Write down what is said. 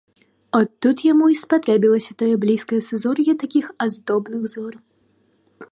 От тут яму й спатрэбілася тое блізкае сузор'е з такіх аздобных зор.